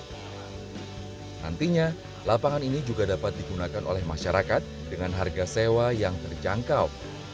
nantinya lapangan ini juga dapat digunakan oleh masyarakat dengan harga sewa yang terjangkau